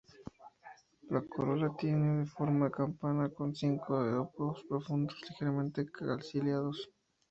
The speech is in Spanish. La corola tiene forma de campana, con cinco lóbulos profundos ligeramente ciliados.